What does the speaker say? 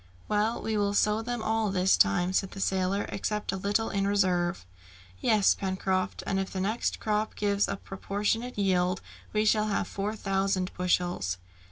"Well, we will sow them all this time," said the sailor, "except a little in reserve." "Yes, Pencroft, and if the next crop gives a proportionate yield, we shall have four thousand bushels."